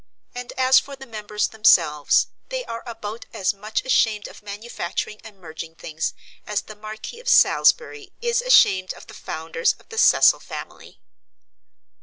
And as for the members themselves, they are about as much ashamed of manufacturing and merging things as the Marquis of Salisbury is ashamed of the founders of the Cecil family.